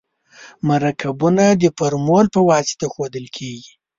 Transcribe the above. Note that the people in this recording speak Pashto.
مرکبونه د فورمول په واسطه ښودل کیږي.